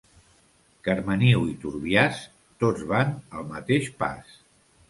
Carmeniu i Turbiàs, tots van al mateix pas.